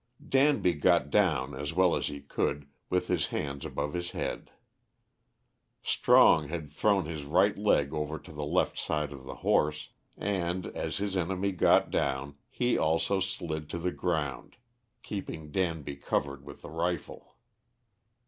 Danby got down, as well as he could, with his hands above his head. Strong had thrown his right leg over to the left side of the horse, and, as his enemy got down, he also slid to the ground, keeping Danby covered with the rifle.